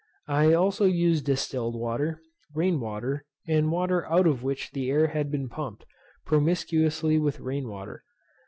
I also used distilled water, rain water, and water out of which the air had been pumped, promiscuously with rain water.